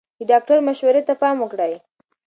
د ډاکټر مشورې ته پام وکړئ.